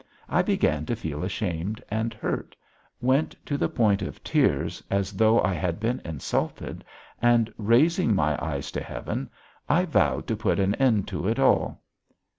I began to feel ashamed and hurt; went to the point of tears, as though I had been insulted, and, raising my eyes to the heavens, I vowed to put an end to it all.